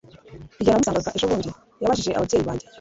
Igihe namusangaga ejobundi yabajije ababyeyi banjye